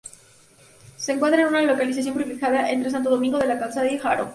Se encuentra en una localización privilegiada entre Santo Domingo de la Calzada y Haro.